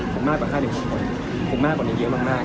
ผมมากกว่าค่าเด็กของคนผมมากกว่านี้เยอะมาก